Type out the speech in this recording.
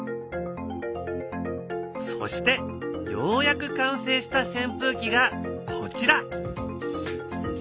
そしてようやく完成したせん風機がこちら。